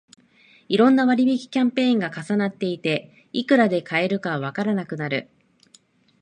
いろんな割引キャンペーンが重なっていて、いくらで買えるのかわからなくなる